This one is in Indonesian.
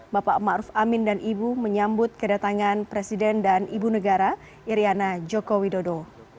bapak ma'ruf amin dan ibu menyambut kedatangan presiden dan ibu negara iryana joko widodo